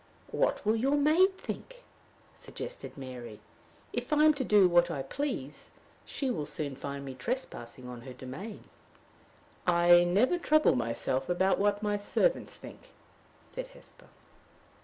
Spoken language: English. "What will your maid think?" suggested Mary. "If I am to do what I please, she will soon find me trespassing on her domain." "I never trouble myself about what my servants think," said Hesper.